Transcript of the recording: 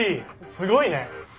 すごいね！